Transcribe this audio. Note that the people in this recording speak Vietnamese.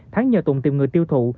thắng nhờ tùng tìm người tiêu thụ